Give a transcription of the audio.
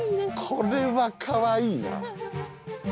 これはかわいいな。